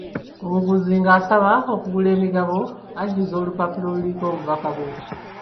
Omuguzi ng'asaba okugula emigabo, ajjuza olupapula oluliko obubaka bwe.